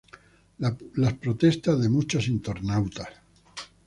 las protestas de muchos internautas